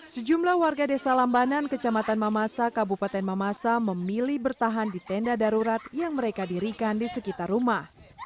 sejumlah warga desa lambanan kecamatan mamasa kabupaten mamasa memilih bertahan di tenda darurat yang mereka dirikan di sekitar rumah